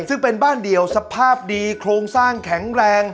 ซึ่งเป็นบ้านเดี่ยวสภาพดีโครงสร้างแข็งแรง